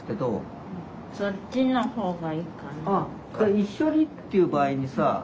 「一緒に」っていう場合にさ